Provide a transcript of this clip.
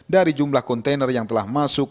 dari jumlah kontainer yang telah masuk